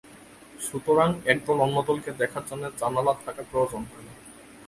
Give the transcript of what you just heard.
সুতরাং একদল অন্যদলকে দেখার জন্যে জানালা থাকার প্রয়োজন হয় না।